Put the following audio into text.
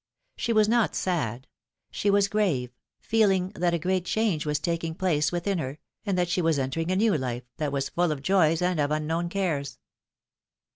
She was not sad ; she was grave, feeling that a great change was taking place within her, and that she was entering a new life, that was full of joys and of unknown cares.